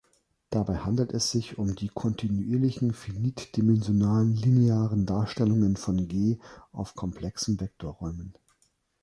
Dabei handelt es sich um die kontinuierlichen finite-dimensionalen linearen Darstellungen von „G“ auf komplexen Vektorräumen.